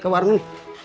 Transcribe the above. nih siapa yang beli kopi